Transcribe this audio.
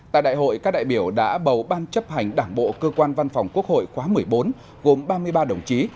tại đại hội các đại biểu đã bầu ban chấp hành đảng bộ cơ quan văn phòng quốc hội khóa một mươi bốn gồm ba mươi ba đồng chí